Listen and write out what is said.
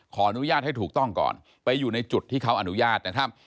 อนุญาตให้ถูกต้องก่อนไปอยู่ในจุดที่เขาอนุญาตนะครับ